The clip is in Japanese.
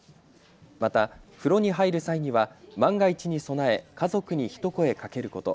また風呂に入る際には万が一に備え、家族に一声かけること。